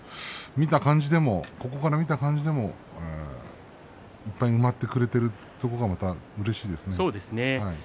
ここから見た感じでもいっぱい埋まってくれているというところがまたうれしいですね。